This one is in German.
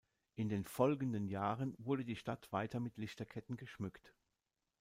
In den folgenden Jahren wurde die Stadt weiter mit Lichterketten geschmückt.